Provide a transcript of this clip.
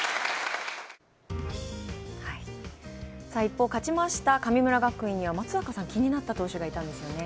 一方、勝ちました神村学園には松坂さんが気になった投手がいたんですよね？